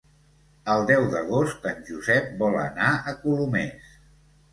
El deu d'agost en Josep vol anar a Colomers.